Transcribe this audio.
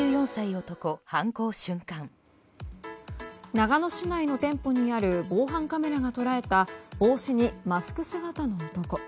長野市内の店舗にある防犯カメラが捉えた帽子にマスク姿の男。